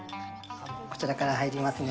こちらから入りますね。